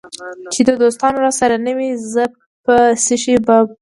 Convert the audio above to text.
چي دوستان راسره نه وي زه په څشي به پایېږم